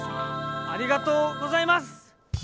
ありがとうございます！